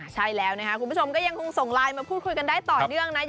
ใช่แล้วนะครับคุณผู้ชมก็ยังคงส่งไลน์มาพูดคุยกันได้ต่อเนื่องนะ